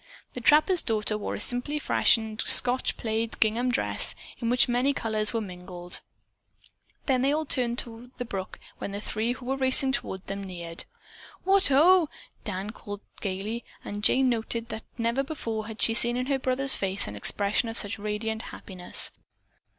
The trapper's daughter wore a simply fashioned Scotch plaid gingham dress in which many colors were mingled. They all turned toward the brook when the three, who were racing toward them, neared. "What, ho!" Dan called gayly, and Jane noted that never before had she seen in her brother's face an expression of such radiant happiness.